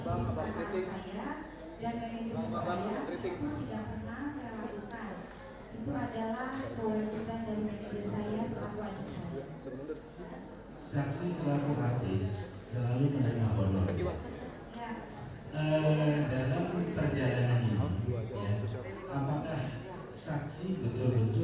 kalau itu menikmati dari perusahaan itu tidak ada perusahaan yang dengan saya berat berat